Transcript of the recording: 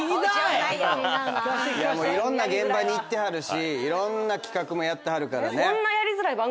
いろんな現場に行ってはるしいろんな企画もやってはるからね。